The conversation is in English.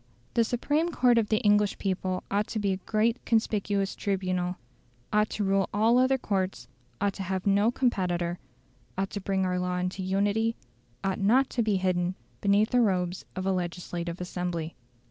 The supreme court of the English people ought to be a great conspicuous tribunal, ought to rule all other courts, ought to have no competitor, ought to bring our law into unity, ought not to be hidden beneath the robes of a legislative assembly.